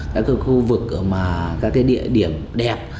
các cái khu vực mà các cái địa điểm đẹp